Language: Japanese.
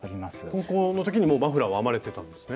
高校の時にもうマフラーは編まれてたんですね。